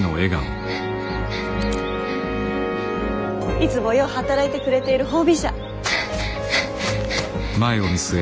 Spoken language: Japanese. いつもよう働いてくれている褒美じゃ。